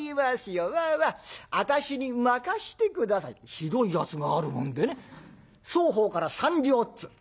ひどいやつがあるもんでね双方から３両っつ。